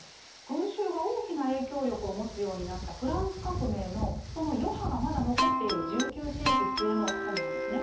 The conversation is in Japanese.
群衆が大きな影響力を持つようになったフランス革命のその余波がまだ残っている１９世紀末の本なんですね。